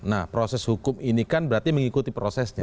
nah proses hukum ini kan berarti mengikuti prosesnya